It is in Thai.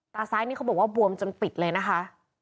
ตาซ้ายนี่เขาบอกว่าบวมจนปิดเลยนะคะ